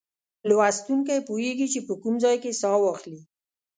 لوستونکی پوهیږي چې په کوم ځای کې سا واخلي.